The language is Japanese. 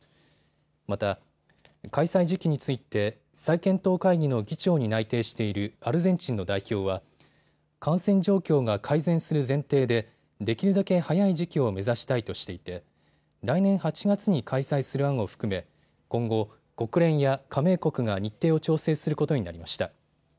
また、開催時期について再検討会議の議長に内定しているアルゼンチンの代表は感染状況が改善する前提でできるだけ早い時期を目指したいとしていて来年８月に開催する案を含め今後、国連や加盟国が日程を調整することになりました。